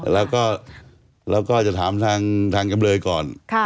แล้วก็จะถามทางจำเลยก่อน